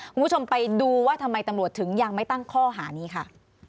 คุณผู้ชมไปดูว่าทำไมตำรวจถึงยังไม่ตั้งข้อหานี้ค่ะ